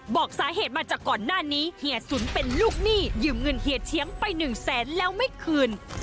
บอกสาเหตุมาจากก่อนหน้านี้เฮียสุนเป็นลูกหนี้ยืมเงินเฮียเชียงไปหนึ่งแสนแล้วไม่คืน